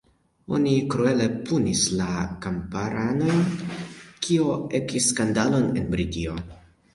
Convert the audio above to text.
Oni kruele punis la kamparanojn, kio ekis skandalon en Britio.